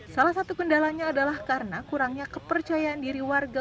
salah satu kendalanya adalah karena kurangnya kepercayaan diri warga